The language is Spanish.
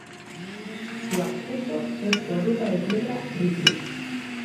Su acceso es por ruta de piedra ripio.